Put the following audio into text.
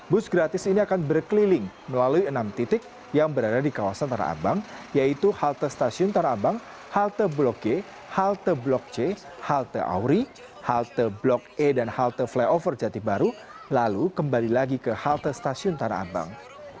bus gratis ini akan berkeliling melalui enam titik yang berada di kawasan tanah abang yaitu halte stasiun tanah abang halte blok g halte blok c halte auri halte blok e dan halte flyover jati baru lalu kembali lagi ke halte stasiun tanah abang